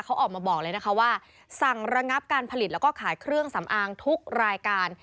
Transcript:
เขาออกมาบอกเลยนะคะว่าสั่งระงับการผลิตแล้วก็ขายเครื่องสำอางทุกรายการ